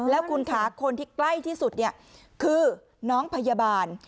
แล้วคุณคะคนที่ใกล้ที่สุดคือน้องพยาบาล